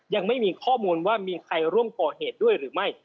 ยังไม่มีข้อมูลว่ามีใครร่วมก่อเหตุด้วยหรือไม่